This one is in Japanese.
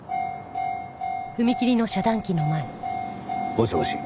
もしもし？